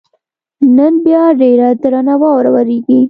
نن بیا ډېره درنه واوره ورېږي.